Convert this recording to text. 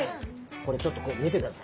これちょっと見てください。